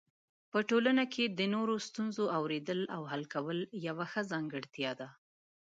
په ټولنه کې د نورو ستونزو اورېدل او حل کول یو ښه ځانګړتیا ده.